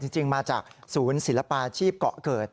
จริงมาจากศูนย์ศิลปาชีพเกาะเกิด